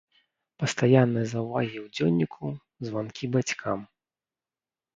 Пастаянныя заўвагі ў дзённіку, званкі бацькам.